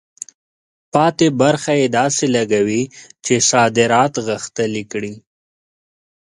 پاتې برخه یې داسې لګوي چې صادرات غښتلي کړي.